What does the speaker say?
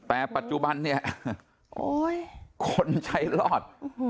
แต่ปัจจุบันเนี่ยคนใช้รอด